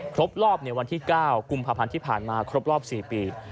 ครบรอบในวันที่๙กุมภาพันธ์ที่ผ่านมาครบรอบ๔ปี